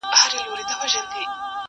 شکرباسي په قانع وي او خندېږي,